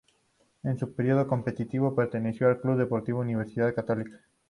En su periodo competitivo, perteneció al Club Deportivo Universidad Católica.